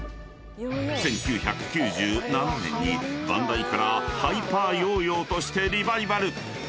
［１９９７年にバンダイからハイパーヨーヨーとしてリバイバル］